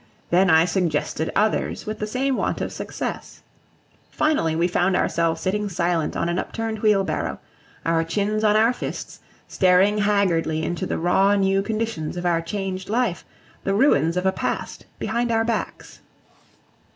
Then I suggested others, with the same want of success. Finally we found ourselves sitting silent on an upturned wheelbarrow, our chins on our fists, staring haggardly into the raw new conditions of our changed life, the ruins of a past behind our backs.